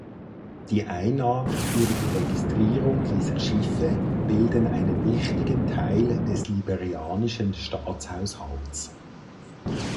Die Einnahmen für die Registrierung dieser Schiffe bilden einen wichtigen Teil des liberianischen Staatshaushalts.